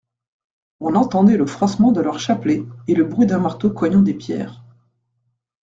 On entendait le froissement de leurs chapelets, et le bruit d'un marteau cognant des pierres.